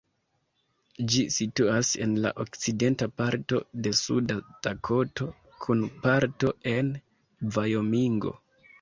Ĝi situas en la okcidenta parto de Suda Dakoto, kun parto en Vajomingo.